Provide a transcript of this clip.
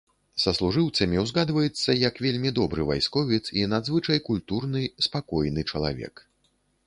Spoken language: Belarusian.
Саслужыўцамі ўзгадваецца як вельмі добры вайсковец і надзвычай культурны, спакойны чалавек.